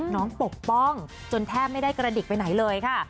ปกป้องจนแทบไม่ได้กระดิกไปไหนเลยค่ะ